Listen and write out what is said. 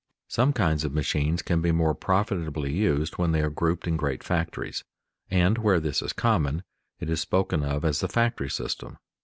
_ Some kinds of machines can be more profitably used when they are grouped in great factories, and, where this is common, it is spoken of as the factory system.